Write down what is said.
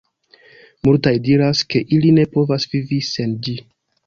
Multaj diras, ke ili ne povas vivi sen ĝi.